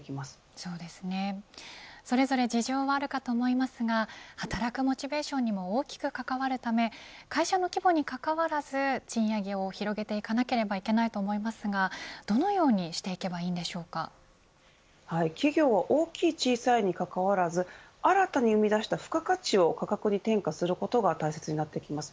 そうですね、それぞれ事情はあるかと思いますが働くモチベーションにも大きく関わるため会社の規模にかかわらず賃上げを広げていかなければいけないと思いますがどのように企業は大きい小さいにかかわらず新たに生み出した付加価値を価格に転嫁することが大切になってきます。